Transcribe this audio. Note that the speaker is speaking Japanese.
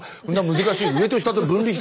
難しい。